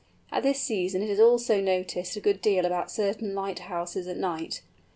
At this season it is also noticed a good deal about certain lighthouses at night.